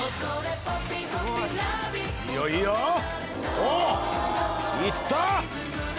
おっいった！